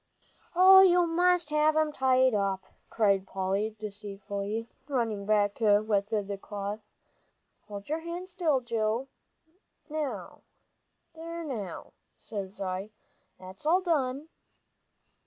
"Oh, you must have 'em tied up," cried Polly, decisively, running back with the cloth. "Hold your hand still, Joe; there now, says I, that's all done!"